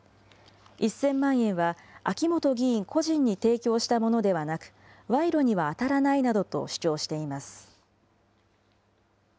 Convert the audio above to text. １０００万円は秋本議員個人に提供したものではなく、賄賂にはあたらないなどと主張しています。